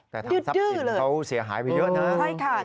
แต่ถามทรัพย์สิ่งที่เขาเสียหายเพียงเยอะนะ